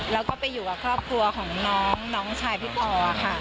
แล้วก็ไปอยู่กับครอบครัวของน้องชายพี่ปอค่ะ